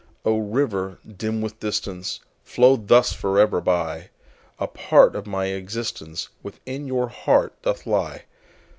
O, river, dim with distance, Flow thus forever by,A part of my existenceWithin your heart doth lie!